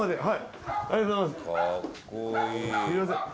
はい。